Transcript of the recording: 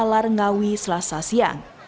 di jalan raya ngawi selasa siang